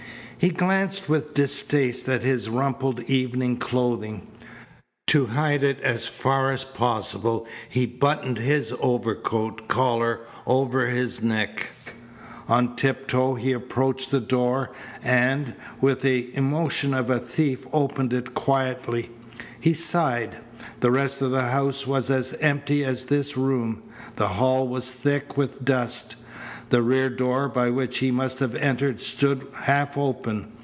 He glanced with distaste at his rumpled evening clothing. To hide it as far as possible he buttoned his overcoat collar about his neck. On tip toe he approached the door, and, with the emotions of a thief, opened it quietly. He sighed. The rest of the house was as empty as this room. The hall was thick with dust. The rear door by which he must have entered stood half open.